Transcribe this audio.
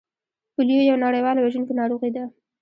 پولیو یوه نړیواله وژونکې ناروغي ده